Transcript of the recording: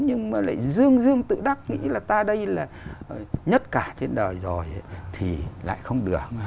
nhưng mà lại dương dương tự đắc nghĩ là ta đây là nhất cả trên đời rồi thì lại không được